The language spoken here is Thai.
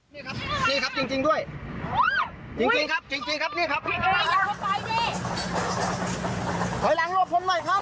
นี่ครับนี่ครับจริงจริงด้วยจริงจริงครับจริงจริงครับ